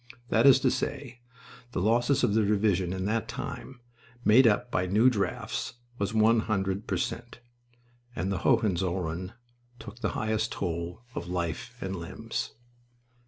That is to say, the losses of their division in that time, made up by new drafts, was 100 per cent.; and the Hohenzollern took the highest toll of life and limbs.